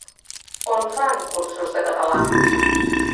On fan cursos de català?